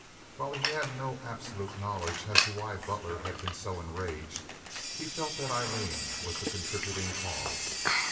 While he had no absolute knowledge as to why Butler had been so enraged, he felt that Aileen was the contributing cause.